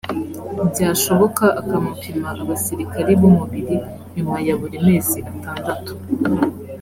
byashoboka akamupima abasirikari b umubiri nyuma ya buri mezi atandatu